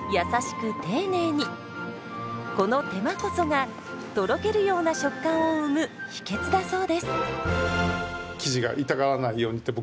この手間こそがとろけるような食感を生む秘訣だそうです。